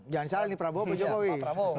jangan salah nih prabowo pak jokowi